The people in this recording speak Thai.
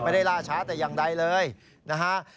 ไม่ได้ราชาแต่ยังได้เลยนะครับ